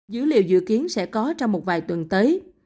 dữ liệu dự kiến sẽ có trong một vài tuần tới